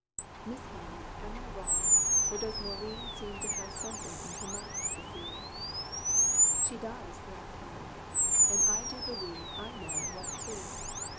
Miss Helen, am I wrong, or does Maurine Seem to have something on her mind this eve?" "She does!" laughed Helen, "and I do believe I know what 'tis!